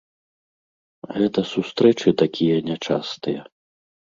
Гэта сустрэчы такія нячастыя.